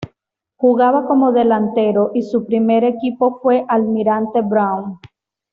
Jugaba como delantero y su primer equipo fue Almirante Brown.